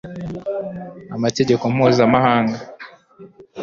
amategeko mpuzamahanga